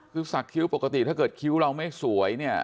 คือสักคิ้วปกติถ้าเกิดคิ้วเราไม่สวยเนี่ย